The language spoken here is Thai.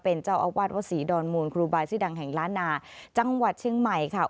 เป็นเจ้าอาวาสวัดศรีดอนมูลครูบายชื่อดังแห่งล้านนาจังหวัดเชียงใหม่ค่ะ